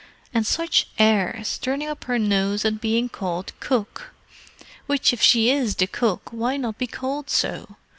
And such airs, turning up her nose at being called Cook. Which if she is the cook, why not be called so?